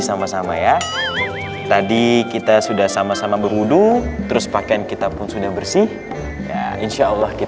sama sama ya tadi kita sudah sama sama berwudu terus pakaian kita pun sudah bersih